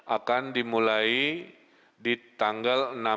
akan dimulai ditangani oleh psbb